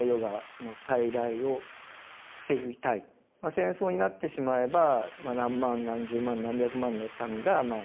戦争になってしまえば何万何十万何百万の民が死ぬかもしれない。